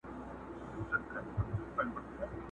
چی هر څوک به په سزا هلته رسېږي،